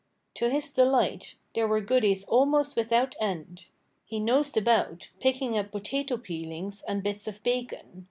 To his delight, there were goodies almost without end. He nosed about, picking up potato peelings, and bits of bacon.